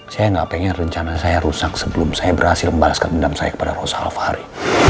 saya gak pengen rencana saya rusak sebelum saya berhasil membalaskan dendam saya kepada rosa safari